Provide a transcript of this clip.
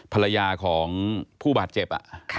ภรรยาของผู้บาดเจ็บ